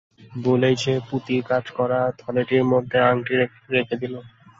বলে সেই পুঁতির কাজ-করা থলেটির মধ্যে আংটি রেখে দিলে।